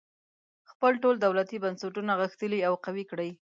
خپل ټول دولتي بنسټونه غښتلي او قوي کړي.